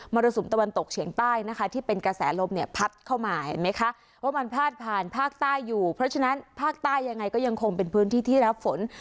รสุมตะวันตกเฉียงใต้นะคะที่เป็นกระแสลมเนี่ยพัดเข้ามาเห็นไหมคะว่ามันพาดผ่านภาคใต้อยู่เพราะฉะนั้นภาคใต้ยังไงก็ยังคงเป็นพื้นที่ที่รับฝน